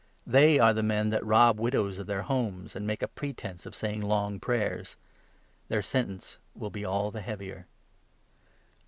They are the men that rob widows of their homes, 40 and make a pretence of saying long prayers. Their sentence will be all the heavier.